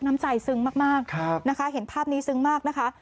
น้ำใจซึ้งมากนะคะเห็นภาพนี้ซึ้งมากนะคะ